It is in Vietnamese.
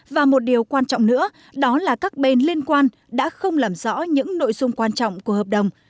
và một điều quan trọng nữa đó là các bên liên quan đã không làm rõ những nội dung quan trọng của hợp đồng